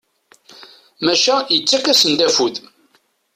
Maca yettak-asen-d afud.